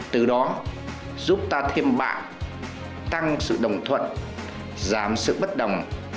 từ đó giúp ta thêm bạn tăng sự đồng thuận giảm sự bất đồng